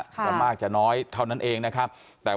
จะมากจะน้อยเท่านั้นเองนะครับ